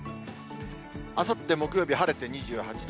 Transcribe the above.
あさって木曜日、晴れて２８度。